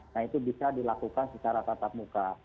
nah itu bisa dilakukan secara tatap muka